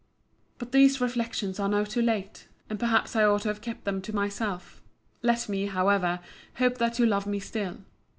But these reflections are now too late; and perhaps I ought to have kept them to myself. Let me, however, hope that you love me still.